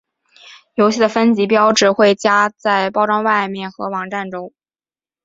游戏的分级标志会加在包装外面和网站中。